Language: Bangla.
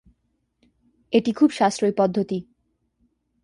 এটি খুব সাশ্রয়ী পদ্ধতি।